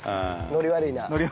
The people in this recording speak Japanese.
ノリ悪いな。